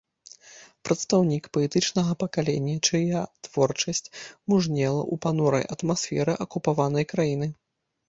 Прадстаўнік паэтычнага пакалення, чыя творчасць мужнела ў панурай атмасферы акупаванай краіны.